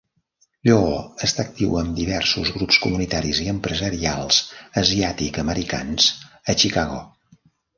Lloo està actiu amb diversos grups comunitaris i empresarials asiàtic-americans a Chicago.